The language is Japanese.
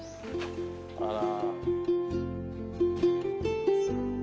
あら。